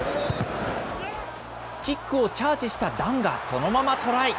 キックをチャージしたダンが、そのままトライ。